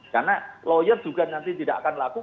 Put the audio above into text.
karena lawyer juga nanti tidak akan lakukan